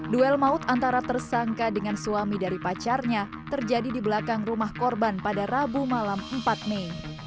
duel maut antara tersangka dengan suami dari pacarnya terjadi di belakang rumah korban pada rabu malam empat mei